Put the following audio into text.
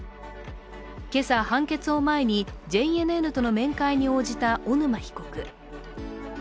今朝、判決を前にＪＮＮとの面会に応じた小沼被告。